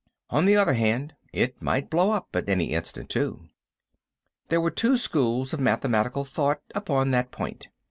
On the other hand, it might blow up at any instant, too. There were two schools of mathematical thought upon that point.